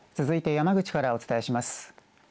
続いて山口からお伝えします。